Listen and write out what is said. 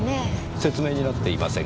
説明になっていませんが。